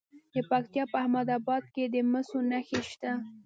د پکتیا په احمد اباد کې د مسو نښې شته.